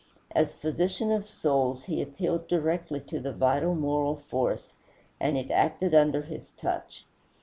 As physician of souls he appealed directly to the vital moral force, and it acted under his touch.